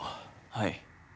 はい。